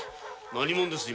何者です。